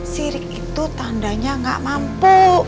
sirik itu tandanya nggak mampu